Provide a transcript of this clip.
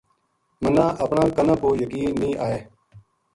مَنا اپنا کَنا پو یقین نیہہ آ